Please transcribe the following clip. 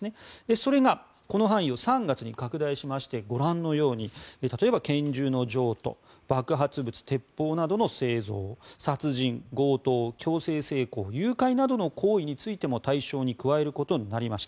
それが、この範囲を３月に拡大しましてご覧のように例えば、拳銃の譲渡爆発物・鉄砲などの製造殺人、強盗強制性交、誘拐などの行為についても対象に加えることになりました。